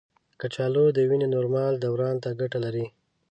کچالو د وینې نورمال دوران ته ګټه لري.